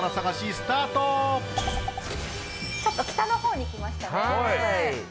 ちょっと北のほうに来ましたね。